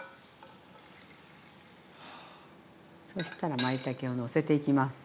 そしたらまいたけをのせていきます。